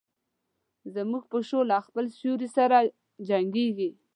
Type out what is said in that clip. زموږ پیشو له خپل سیوري سره جنګیږي.